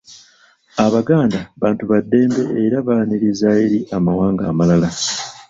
Abaganda bantu baddembe era baaniriza eri amawanga amalala.